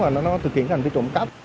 và nó thực hiện thành trụng cấp